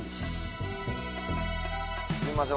すいません